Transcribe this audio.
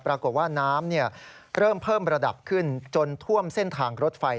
ปรากฏว่าน้ำเริ่มเพิ่มระดับขึ้นจนท่วมเส้นทางรถไฟ